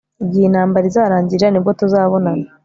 igihe intambara izarangirira nibwo tuzabonana